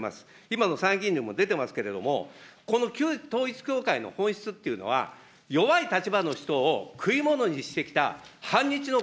今の参議院でも出てますけれども、この旧統一教会の本質っていうのは、弱い立場の人を食い物にしてきた反日の